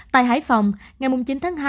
tại hải phòng ngày chín tháng hai